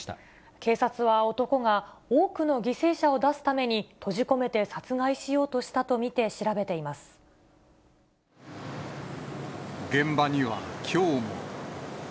警察は男が多くの犠牲者を出すために、閉じ込めて殺害しよう現場には、きょうも。